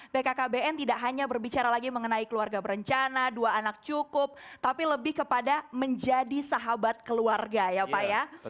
bkkbn tidak hanya berbicara lagi mengenai keluarga berencana dua anak cukup tapi lebih kepada menjadi sahabat keluarga ya pak ya